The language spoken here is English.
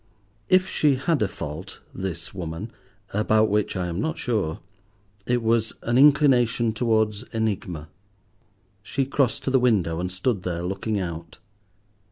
If she had a fault, this woman, about which I am not sure, it was an inclination towards enigma. She crossed to the window and stood there, looking out.